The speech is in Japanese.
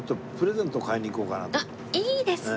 あっいいですね！